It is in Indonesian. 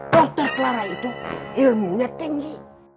dokter clara itu ilmunya tinggi